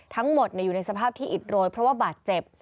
ทั้งหมดอยู่ในสภาพที่อิดโรยเพราะว่าบาดเจ็บ